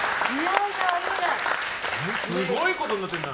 すごいことになってるな。